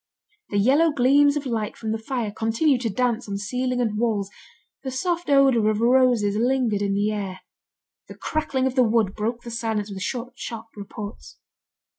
The yellow gleams of light from the fire continued to dance on ceiling and walls, the soft odour of roses lingered in the air, the crackling of the wood broke the silence with short, sharp reports.